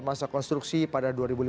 masa konstruksi pada dua ribu lima belas